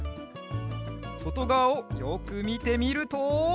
そとがわをよくみてみると。